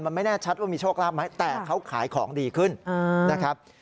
มันไม่แน่ชัดว่ามีโชคลาภไหมแต่เขาขายของดีขึ้นนะครับ